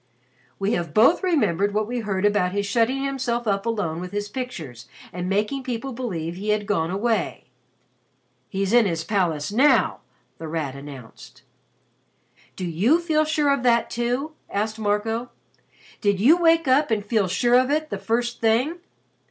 "We have both remembered what we heard about his shutting himself up alone with his pictures and making people believe he had gone away." "He's in his palace now," The Rat announced. "Do you feel sure of that, too?" asked Marco. "Did you wake up and feel sure of it the first thing?"